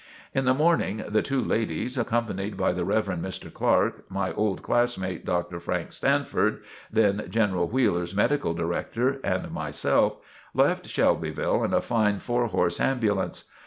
In the morning the two ladies, accompanied by the Rev. Mr. Clark, my old class mate Dr. Frank Stanford, then General Wheeler's Medical Director, and myself, left Shelbyville in a fine four horse ambulance.